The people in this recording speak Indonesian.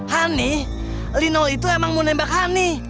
hani lino itu emang mau nembak hani